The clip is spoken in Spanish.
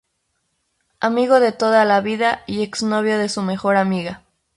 Amigo de toda la vida y ex novio de su mejor amiga.